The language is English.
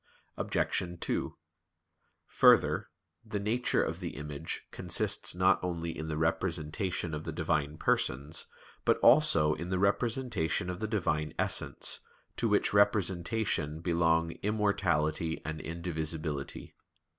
Obj. 2: Further, the nature of the image consists not only in the representation of the Divine Persons, but also in the representation of the Divine Essence, to which representation belong immortality and indivisibility.